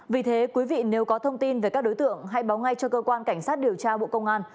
vì thế quý vị nếu có thông tin về các đối tượng hãy báo ngay cho cơ quan cảnh sát điều tra bộ công an